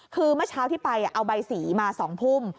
คือเมื่อเช้าที่ไปเอาใบสีมา๒ทุ่ม